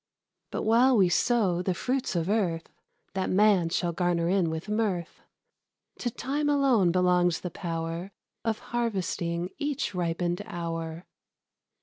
But while we sow the fruits of earth, That man shall garner in with mirth, To Time alone belongs the power Of harvesting each ripened hour.